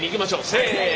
せの。